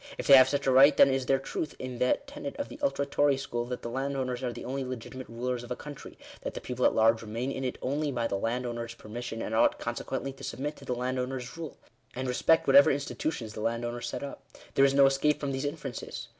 If they have such a right, then is there truth in that tenet of the ultra Tory school, that the landowners Digitized by VjOOQIC 122 THE RIGHT TO THE USE OF THE EARTH. are the only legitimate rulers of a country — that the people at large remain in it only by the landowners' permission, and ought consequently to submit to the landowners' rule, and re spect whatever institutions the landowners set up. There is no escape from these inferences.